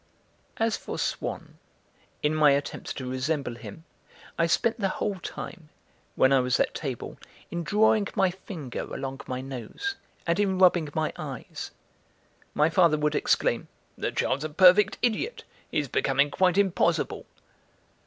As for Swann, in my attempts to resemble him, I spent the whole time, when I was at table, in drawing my finger along my nose and in rubbing my eyes. My father would exclaim: "The child's a perfect idiot, he's becoming quite impossible."